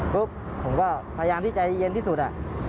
ปุ๊บผมก็พยายามที่ใจเย็นที่สุดอ่ะ